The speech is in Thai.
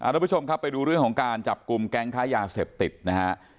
ทุกผู้ชมครับไปดูเรื่องของการจับกลุ่มแก๊งค้ายาเสพติดนะฮะ